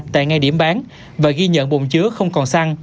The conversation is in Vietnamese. tại ngay điểm bán và ghi nhận bồn chứa không còn xăng